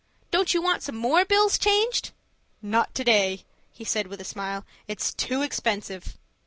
Don't you want some more bills changed?" "Not to day," said he with a smile. "It's too expensive."